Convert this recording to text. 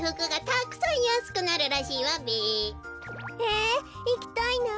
えいきたいな。